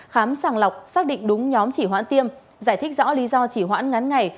khám sàng lọc xác định đúng nhóm chỉ hoãn tiêm giải thích rõ lý do chỉ hoãn ngắn ngày